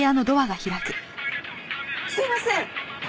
すいません！